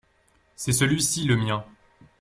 C’est celui-ci le mien.